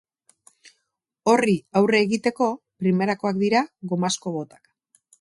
Horri aurre egiteko primerakoak dira gomazko botak.